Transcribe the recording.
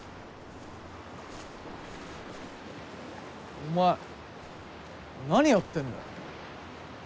お前何やってんだよ。